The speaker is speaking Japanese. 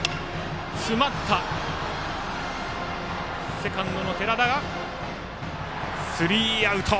セカンド、寺田がとってスリーアウト。